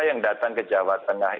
yang datang ke jawa tengah